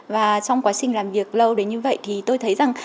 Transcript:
và trong quá trình làm việc lâu đến như vậy thì tôi thấy rằng